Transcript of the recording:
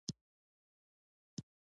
چې پښتانه دې په شعوري ټوګه لوستي شي.